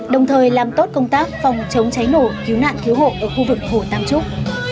đồng thời làm tốt công tác phòng chống cháy nổ cứu nạn cứu hộ ở khu vực hồ tam trúc